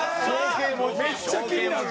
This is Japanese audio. めっちゃ気になるな！